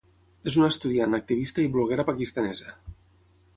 És una estudiant, activista i bloguera pakistanesa.